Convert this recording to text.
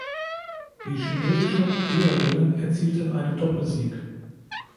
Die chinesischen Geherinnen erzielten einen Doppelsieg.